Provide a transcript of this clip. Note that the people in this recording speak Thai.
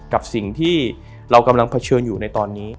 กับสิ่งที่เรากำลังเผชิญอยู่ในตอนนี้